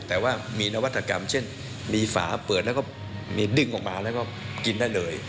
แต่ว่ามีนวัตกรรมเช่นมีฝาเปิดแล้วก็มีดึงออกมาแล้วก็กินได้เลย